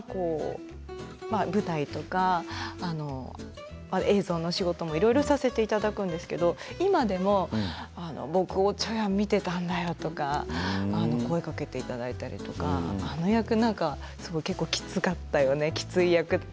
今舞台とか映像の仕事もいろいろさせていただくんですけど今でも「おちょやん」を見ていたよとか声をかけていただいたりとかあの役は、すごくきつかったよね